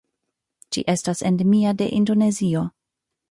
Ĝi estas endemia de Indonezio.